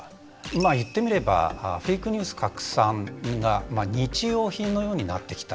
まあ言ってみればフェイクニュース拡散が日用品のようになってきた。